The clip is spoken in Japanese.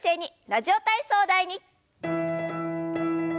「ラジオ体操第２」。